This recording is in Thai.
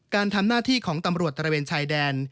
การทำหน้าที่ของตำรวจตระเวนชายแดน